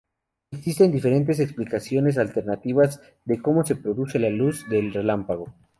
Existen diferentes explicaciones alternativas de cómo se produce la luz del relámpago.